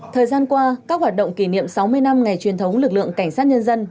thời gian qua các hoạt động kỷ niệm sáu mươi năm ngày truyền thống lực lượng cảnh sát nhân dân